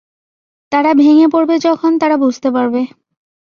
তারা ভেঙ্গে পড়বে যখন তারা বুঝতে পারবে।